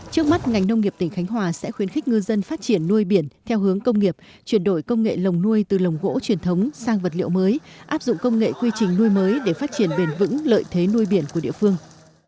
trước mắt ngành nông nghiệp tỉnh khánh hòa sẽ khuyến khích ngư dân phát triển nuôi biển theo hướng công nghiệp chuyển đổi công nghệ lồng nuôi từ lồng gỗ truyền thống sang vật liệu mới áp dụng công nghệ quy trình nuôi mới để phát triển bền vững lợi thế nuôi biển của địa phương